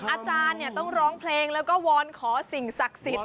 อาจารย์ต้องร้องเพลงแล้วก็วอนขอสิ่งศักดิ์สิทธิ์